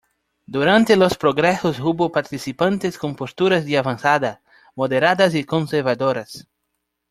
Durante los congresos hubo participantes con posturas de avanzada, moderadas y conservadoras.